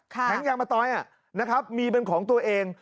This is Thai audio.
แทงก์ยางมาตอยมีเป็นของตัวเอง